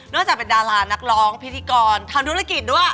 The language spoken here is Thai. จากเป็นดารานักร้องพิธีกรทำธุรกิจด้วย